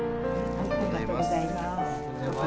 ありがとうございます。